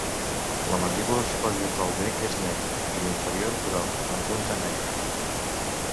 La mandíbula superior del bec és negra i la inferior groga amb punta negra.